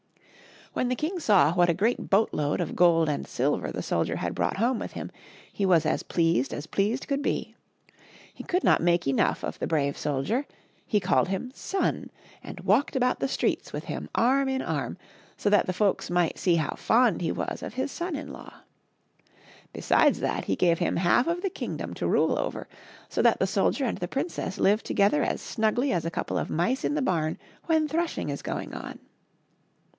When the king saw what a great boatload of gold and silver the soldier had brought home with him he was as pleased as pleased could be. He could not make enough of the brave soldier; he called him son, and walked about the streets with him arm in arm, so that the folks might see how fond he was of his son inJaw. Besides that he gave him half of the kingdom to rule over, so that the soldier and the princess lived together as snugly as a couple of mice in the bam when threshing is going on.